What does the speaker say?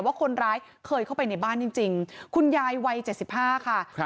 ว่าคนร้ายเคยเข้าไปในบ้านจริงจริงคุณยายวัยเจ็ดสิบห้าค่ะครับ